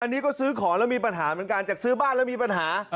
อันนี้ก็ซื้อของแล้วมีปัญหาเหมือนกันจากซื้อบ้านแล้วมีปัญหา